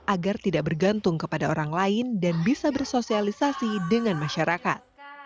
agar tidak bergantung kepada orang lain dan bisa bersosialisasi dengan masyarakat